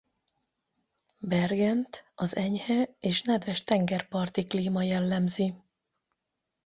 Bergent az enyhe és nedves tengerparti klíma jellemzi.